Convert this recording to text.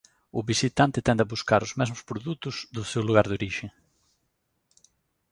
O visitante tende a buscar os mesmos produtos do seu lugar de orixe.